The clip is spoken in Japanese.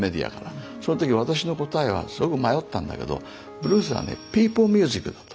その時私の答えはすごく迷ったんだけどブルースはねピープルミュージックだと。